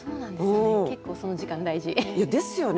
結構その時間大事。ですよね